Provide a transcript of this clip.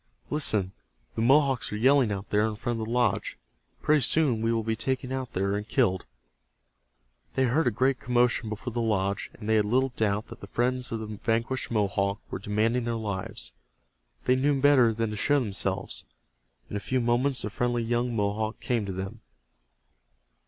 Listen, the Mohawks are yelling out there in front of the lodge. Pretty soon we will be taken out there and killed." They heard a great commotion before the lodge, and they had little doubt that the friends of the vanquished Mohawk were demanding their lives. They knew better than to show themselves. In a few moments the friendly young Mohawk came to them.